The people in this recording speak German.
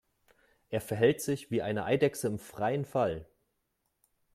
Er verhält sich wie eine Eidechse im freien Fall.